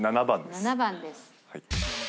７番です。